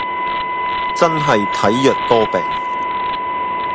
真係體弱多病